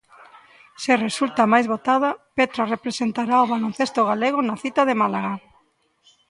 Se resulta a máis votada, Petra representará o baloncesto galego na cita de Málaga.